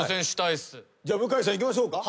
じゃあ向井さんいきましょうか。